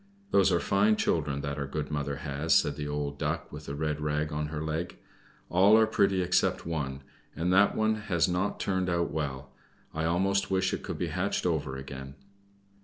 "Those are fine children that our good mother has," said the old Duck with the red rag on her leg. "All are pretty except one, and that has not turned out well; I almost wish it could be hatched over again."